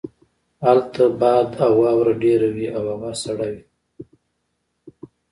هلته باد او واوره ډیره وی او هوا سړه وي